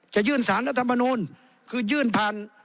จะยื่นสารรัฐมนูลคือยื่นผ่าน